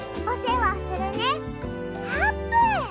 あーぷん。